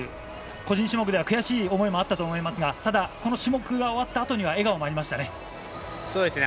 個人種目では悔しい思いもあったと思いますがただ、この種目が終わったあとには笑顔がありましたね。